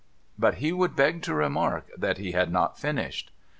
But he would beg to remark that he had not finished.